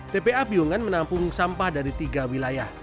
tpa piungan menampung sampah dari tiga wilayah